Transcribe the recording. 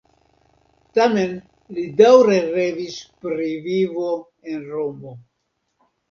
Tamen li daŭre revis pri vivo en Romo.